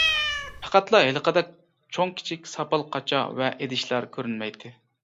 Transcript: پەقەتلا ھېلىقىدەك چوڭ-كىچىك ساپال قاچا ۋە ئىدىشلار كۆرۈنمەيتتى.